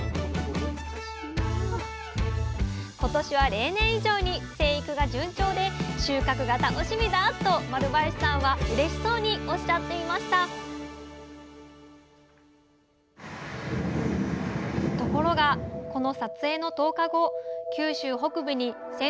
今年は例年以上に生育が順調で収穫が楽しみだと丸林さんはうれしそうにおっしゃっていましたところがこの撮影の１０日後九州北部に線状降水帯が発生。